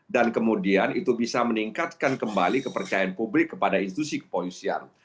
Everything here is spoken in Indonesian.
dan kemudian itu bisa meningkatkan kembali kepercayaan publik kepada institusi kepolisian